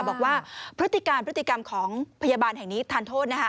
พฤติการพฤติกรรมของพยาบาลแห่งนี้ทานโทษนะคะ